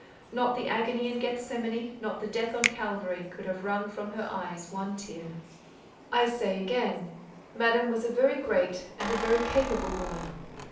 Not the agony in Gethsemane, not the death on Calvary, could have wrung from her eyes one tear. I say again, Madame was a very great and a very capable woman.